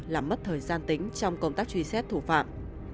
làm mất thời gian tính trong công tác truy xét thủ phạm